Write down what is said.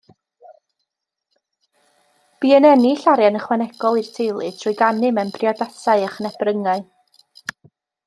Bu yn ennill arian ychwanegol i'r teulu trwy ganu mewn priodasau a chynebryngau.